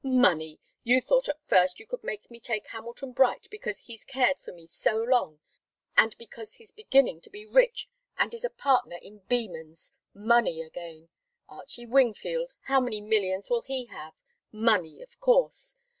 Money! You thought at first you could make me take Hamilton Bright, because he's cared for me so long and because he's beginning to be rich and is a partner in Bemans' money, again! Archie Wingfield how many millions will he have? Money of course.